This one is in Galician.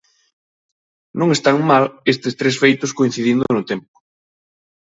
Non están mal estes tres feitos coincidindo no tempo.